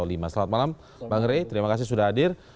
selamat malam bang ray terima kasih sudah hadir